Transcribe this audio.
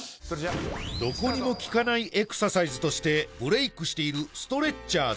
どこにも効かないエクササイズとしてブレイクしているストレッチャーズ